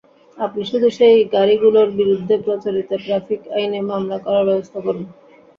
আপনি শুধু সেই গাড়িগুলোর বিরুদ্ধে প্রচলিত ট্রাফিক আইনে মামলা করার ব্যবস্থা করুন।